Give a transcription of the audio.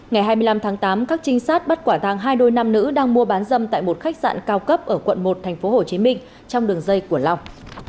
ngày hai mươi năm tháng tám các trinh sát bắt quả thang hai đôi nam nữ đang mua bán dâm tại một khách sạn cao cấp ở quận một tp hcm trong đường dây của long